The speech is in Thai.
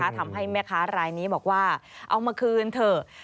ทำให้แม่ค้ารายนี้บอกว่าเอามาคืนเถอะ